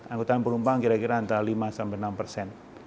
angkutan penumpang kira kira antara lima sampai enam persen